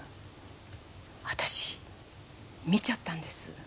私見ちゃったんです。